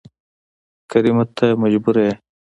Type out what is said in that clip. کريمه ته مجبوره يې